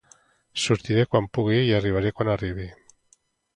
Sortiré quan pugui i arribaré quan arribi.